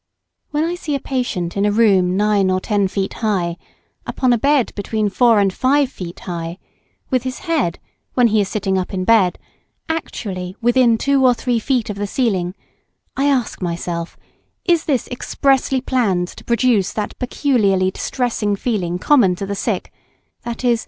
] When I see a patient in a room nine or ten feet high upon a bed between four and five feet high, with his head, when he is sitting up in bed, actually within two or three feet of the ceiling, I ask myself, is this expressly planned to produce that peculiarly distressing feeling common to the sick, viz.